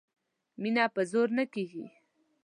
مینه په زور نه کیږي